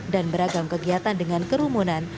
dan beragam kegiatan dengan kerumunan